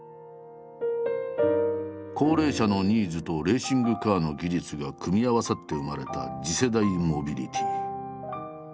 高齢者のニーズとレーシングカーの技術が組み合わさって生まれた次世代モビリティー。